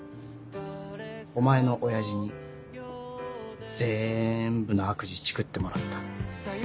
お前の親父にぜんぶの悪事チクってもらった。